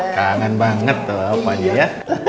kangen banget ya